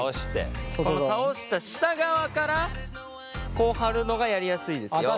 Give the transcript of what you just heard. この倒した下側からこう貼るのがやりやすいですよ。